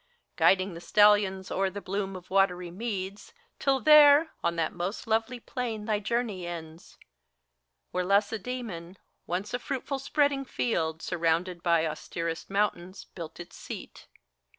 Guiding the stallions o'er the bloom of watery meads, Till there, on that most lovely plain thy journey ends, Where Lacedemon, once a fruitful spreading field, Surrounded by austerest mountains, built its seat.